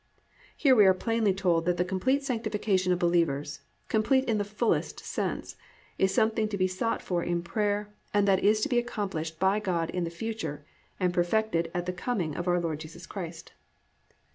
"+ Here we are plainly told that _the complete sanctification of believers, complete in the fullest sense, is something to be sought for in prayer and that is to be accomplished by God in the future and perfected at the coming of our Lord Jesus Christ_.